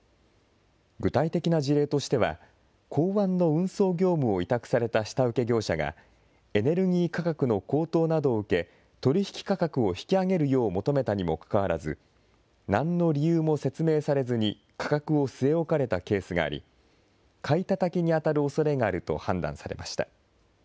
具体的な事例としては、港湾の運送業務を委託された下請け業者が、エネルギー価格の高騰などを受け、取り引き価格を引き上げるよう求めたにもかかわらず、なんの理由も説明されずに価格を据え置かれたケースがあり、買いたたきに当たるおそれがあると判断されました。